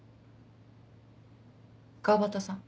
川端さん。